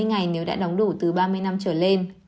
ba mươi ngày nếu đã đóng đủ từ ba mươi năm trở lên